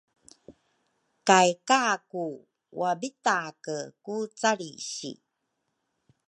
kay Kaku wabitake ku calrisi.